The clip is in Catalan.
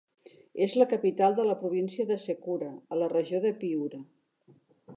És la capital de la província de Sechura a la regió de Piura.